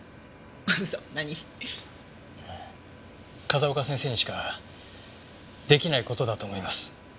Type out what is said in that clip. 風丘先生にしか出来ない事だと思います。